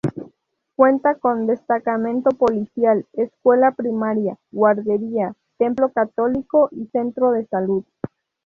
Cuenta con destacamento policial, escuela primaria, guardería, templo católico y centro de salud.